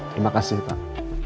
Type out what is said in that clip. terima kasih pak